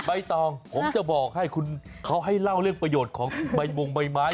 ใบตองผมจะบอกให้คุณเขาให้เล่าเรื่องประโยชน์ของใบมงใบไม้